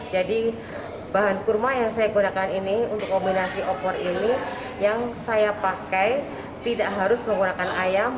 jadi bahan kurma yang saya gunakan ini untuk kombinasi opor ini yang saya pakai tidak harus menggunakan ayam